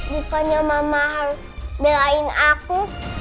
bukannya mama belain aku